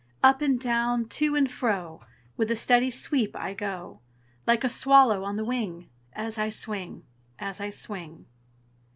Up and down, to and fro, With a steady sweep I go, Like a swallow on the wing, As I swing, as I swing.